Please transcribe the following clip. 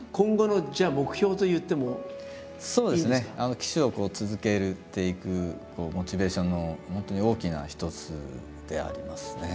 騎手を続けていくモチベーションの本当に大きな一つでありますね。